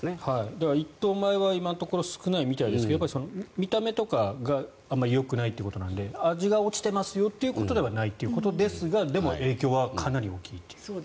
だから一等米は今のところ少ないみたいですが見た目とかがあまりよくないということなので味が落ちてますよということではないということですがでも、影響はかなり大きいという。